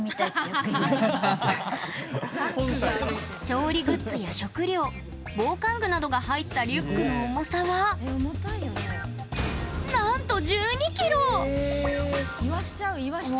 調理グッズや食料防寒具などが入ったリュックの重さはなんと１２ｋｇ！